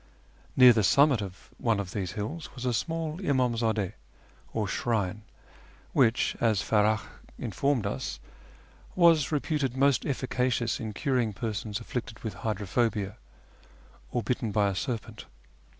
Near the summit of one of these hills was a small imdmzddS, or shrine, which, as Farach informed us, was reputed most effica cious in curing persons afflicted with hydrophobia, or bitten by a serpent.